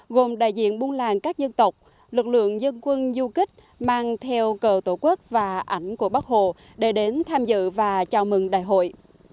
gồm đại diện buông làng các dân tộc lực lượng dân quân du kích mang theo cờ tổ quốc và ảnh của bắc hồ để đến tham dự và chào mừng đại hội